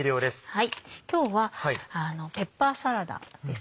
今日はペッパーサラダです。